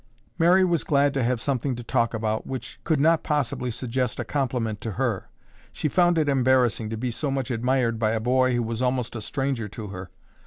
Mary was glad to have something to talk about which could not possibly suggest a compliment to her. She found it embarrassing to be so much admired by a boy who was almost a stranger to her.